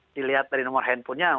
dilihat dari nomor handphonenya